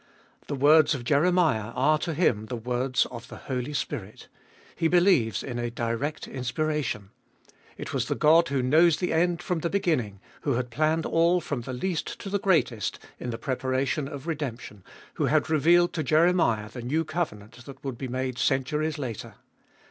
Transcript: The words of Jeremiah are to him the words of the Holy Spirit. He believes in a direct inspiration. It was the God who knows the end from the beginning, who had planned all from the least to the greatest in the preparation of redemp tion, who had revealed to Jeremiah the new covenant that would be made centuries later.